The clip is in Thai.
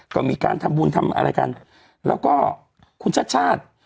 ก็มีการทำบุญทำอะไรกันแล้วก็คุณชาติชาติ